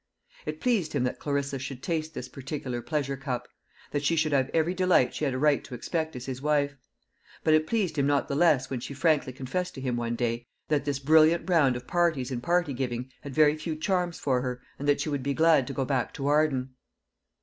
It pleased him that Clarissa should taste this particular pleasure cup that she should have every delight she had a right to expect as his wife; but it pleased him not the less when she frankly confessed to him one day that this brilliant round of parties and party giving had very few charms for her, and that she would be glad to go back to Arden.